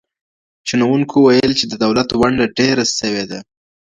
شنونکو ويل چې د دولت ونډه ډېره سوې ده.